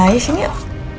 yuk sini yuk